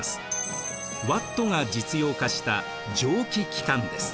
ワットが実用化した蒸気機関です。